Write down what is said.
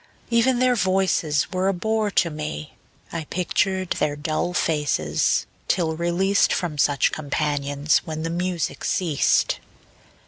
Even their voices were a bore to me; I pictured their dull faces, till released From such companions, when the music ceased.